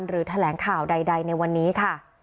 หรือแถลงข่าวใดในวันนี้ค่ะ